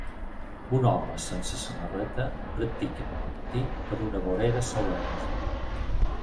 Un home sense samarreta practica monopatí per una vorera solellosa